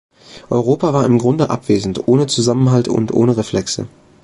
Europa war im Grunde abwesend, ohne Zusammenhalt und ohne Reflexe.